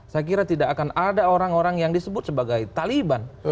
saya kira tidak akan ada orang orang yang disebut sebagai taliban